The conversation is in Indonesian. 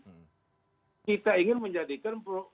kita ingin menjadikan